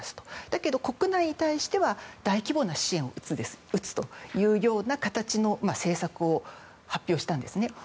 だけど、国内に対しては大規模な支援を打つという形の政策を発表したんですね。